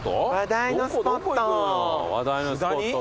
話題のスポット？